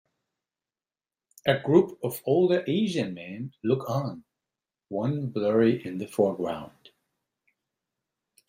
A group of older Asian men look on, one blurry in the foreground.